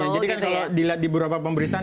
jadi kan kalau dilihat di beberapa pemberitaan